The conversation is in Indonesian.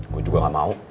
gue juga gak mau